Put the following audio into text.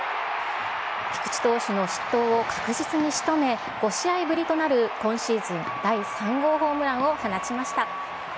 菊池投手の失投を確実にしとめ、５試合ぶりとなる今シーズン第３号ホームランを放ちました。